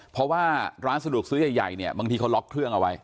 เพราะว่าร้านสะดวกซื้อใหญ่เนี่ยบางทีเขาล็อกเครื่องเอาไว้